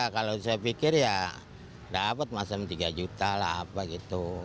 kalau saya pikir ya dapat masam tiga juta lah apa gitu